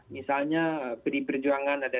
misalnya perjuangan ada